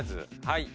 はい。